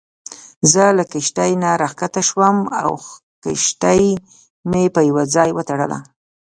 زه له کښتۍ نه راکښته شوم او کښتۍ مې په یوه ځای وتړله.